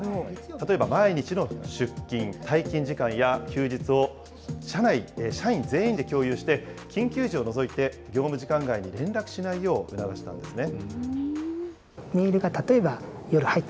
例えば毎日の出勤・退勤時間や休日を、社員全員で共有して、緊急時を除いて業務時間外に連絡しないよう促したんですね。